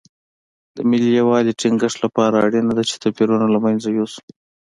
د ملي یووالي ټینګښت لپاره اړینه ده چې توپیرونه له منځه یوسو.